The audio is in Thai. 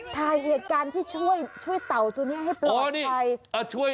ถ่ายเหตุการณ์ที่ช่วยเต่าตัวนี้ให้ปลอดภัย